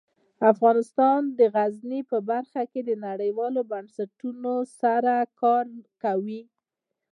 افغانستان د غزني په برخه کې نړیوالو بنسټونو سره کار کوي.